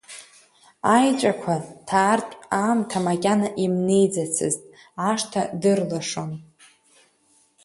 Аеҵәақәа ҭаартә аамҭа макьана имнеиӡацызт, ашҭа дырлашон.